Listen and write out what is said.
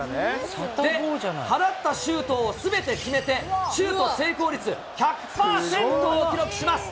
で、放ったシュートをすべて決めて、シュート成功率１００％を記録します。